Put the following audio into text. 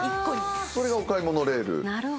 それがお買い物レール。